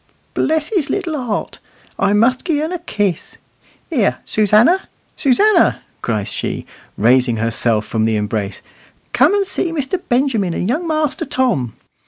"Bless his little heart! I must gi' un a kiss. Here, Susannah, Susannah!" cries she, raising herself from the embrace, "come and see Mr. Benjamin and young Master Tom.